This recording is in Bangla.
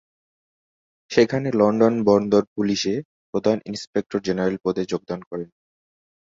সেখানে লন্ডন বন্দর পুলিশে প্রধান ইন্সপেক্টর জেনারেল পদে যোগদান করেন।